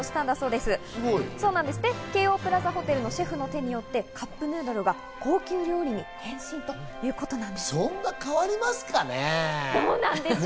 で、京王プラザホテルのシェフの手によってカップヌードルが高級料理に変身というそんな変わりますかね？